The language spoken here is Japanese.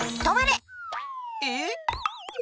えっ？